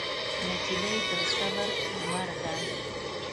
نجلۍ د صبر لمر ده.